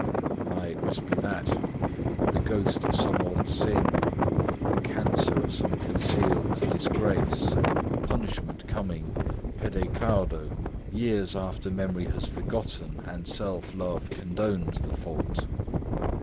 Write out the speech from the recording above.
Ay, it must be that; the ghost of some old sin, the cancer of some concealed disgrace: punishment coming, pede claudo, years after memory has forgotten and self love condoned the fault."